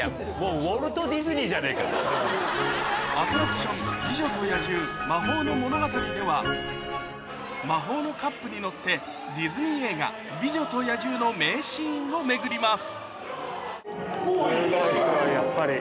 アトラクション魔法のカップに乗ってディズニー映画『美女と野獣』の名シーンを巡ります